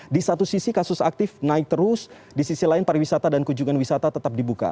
di satu sisi kasus aktif naik terus di sisi lain pariwisata dan kunjungan wisata tetap dibuka